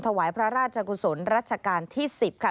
ถวายพระราชกุศลรัชกาลที่๑๐ค่ะ